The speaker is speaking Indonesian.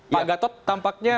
pak gatot tampaknya masih